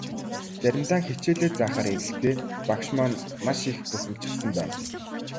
Заримдаа хичээлээ заахаар ирэхдээ багш маань маш их бухимдчихсан байна.